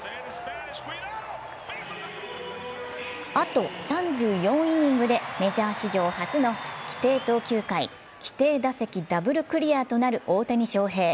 あと３４イニングでメジャー史上初の規定投球回、規定打席ダブルクリアとなる大谷翔平。